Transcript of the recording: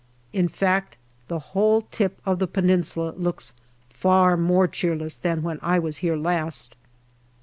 In fact, the whole tip of the Peninsula looks far more cheerless than when I was here last.